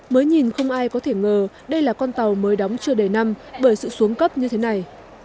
mới nhìn không ai có thể ngờ đây là con tàu mới đóng chưa đầy năm bởi sự xuống cấp như thế này